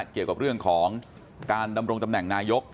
เกี่ยวกับเรื่องของการดำรงตำแหน่งนายก